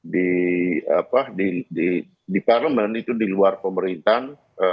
di apa di di parlemen itu di luar pemerintahan